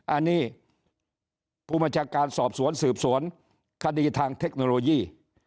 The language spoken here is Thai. อันนี้ผู้บัญชาการสอบสวนสืบสวนคดีทางเทคโนโลยี